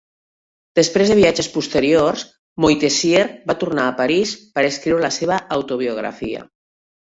Després de viatges posteriors, Moitessier va tornar a París per escriure la seva autobiografia.